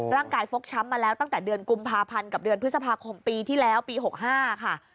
ฟกช้ำมาแล้วตั้งแต่เดือนกุมภาพันธ์กับเดือนพฤษภาคมปีที่แล้วปี๖๕ค่ะ